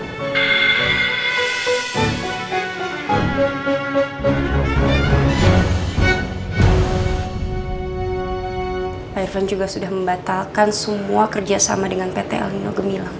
pak irvan juga sudah membatalkan semua kerjasama dengan pt el nino gemilang